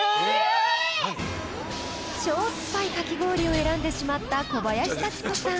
［超酸っぱいかき氷を選んでしまった小林幸子さん